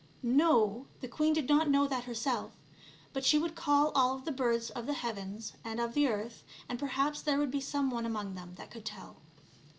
No, the queen did not know that herself, but she would call all of the birds of the heavens and of the earth, and perhaps there would be some one among tbem that could tell.